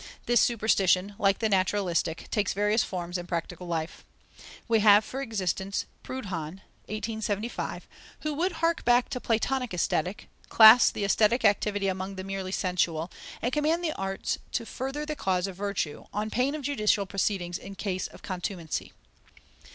This superstition, like the naturalistic, takes various forms in practical life. We have, for instance, Proudhon (1875), who would hark back to Platonic Aesthetic, class the aesthetic activity among the merely sensual, and command the arts to further the cause of virtue, on pain of judicial proceedings in case of contumacy.